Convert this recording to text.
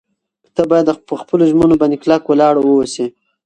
ته باید په خپلو ژمنو باندې کلک ولاړ واوسې.